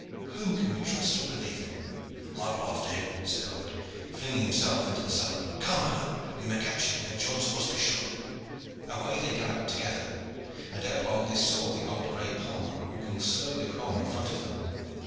Whom can we trust or believe in?" "I will after him," said Aylward, flinging himself into the saddle. "Come, Alleyne, we may catch him ere John's horse be shod." Away they galloped together, and ere long they saw the old gray palmer walking slowly along in front of them.